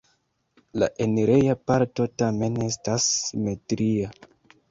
La enireja parto tamen estas simetria.